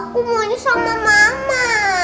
aku maunya sama mama